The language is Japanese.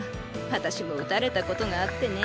あたしも打たれたことがあってね。